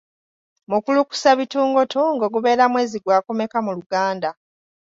Mukulukusabitungotungo gubeera mwezi gwakumeka mu Luganda?.